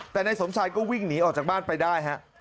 แต่นายสมชายก็วิ่งหนีออกจากบ้านไปได้ฮะ